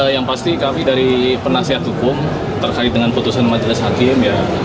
yang pasti kami dari penasihat hukum terkait dengan putusan majelis hakim